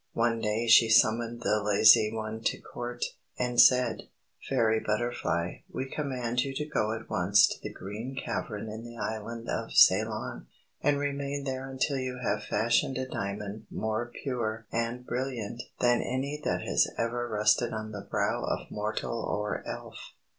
One day she summoned the lazy one to Court, and said: "Fairy Butterfly, we command you to go at once to the Green Cavern in the Island of Ceylon, and remain there until you have fashioned a diamond more pure and brilliant than any that has ever rested on the brow of mortal or Elf."